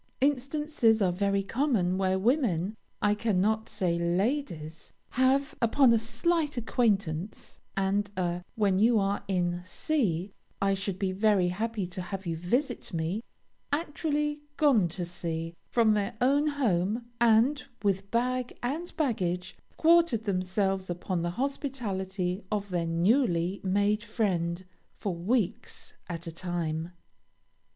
Instances are very common where women (I cannot say ladies) have, upon a slight acquaintance, and a "When you are in C I should be very happy to have you visit me," actually gone to C from their own home, and, with bag and baggage, quartered themselves upon the hospitality of their newly made friend, for weeks at a time.